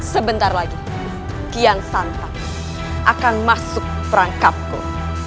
sebentar lagi kian santap akan masuk perangkapku